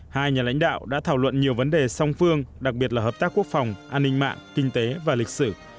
hai nhà lãnh đạo đã thảo luận nhiều vấn đề song phương đặc biệt là hợp tác quốc phòng an ninh mạng kinh tế và lịch sử